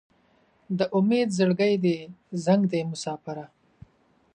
د امید زړګی دې زنګ دی مساپره